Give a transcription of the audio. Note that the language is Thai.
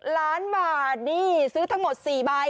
ล้านบาทนี่ซื้อทั้งหมด๔ใบ